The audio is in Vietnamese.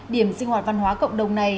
điểm sinh hoạt văn hóa cộng đồng này